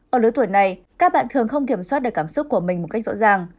ở lứa tuổi này các bạn thường không kiểm soát được cảm xúc của mình một cách rõ ràng